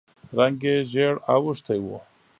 رنګ یې ژېړ اوښتی و.